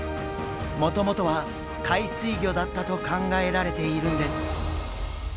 もともとは海水魚だったと考えられているんです。